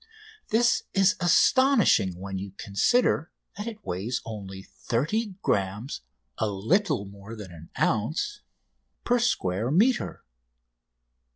This is astonishing when you consider that it weighs only 30 grammes (a little more than one ounce) per square metre.